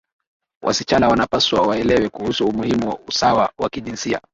wasichana wanapaswa waelewe kuhusu umuhimu wa usawa wa kijinsia